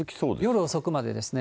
夜遅くまでですね。